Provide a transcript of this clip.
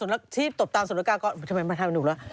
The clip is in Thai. อ่าที่ตบตามสุรกาศัตรูก็ทำไมมันทำถูกละ